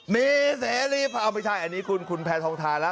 มีเสร็จรีบเอาไปถ่ายอันนี้คุณคุณแพทย์ทองทาระ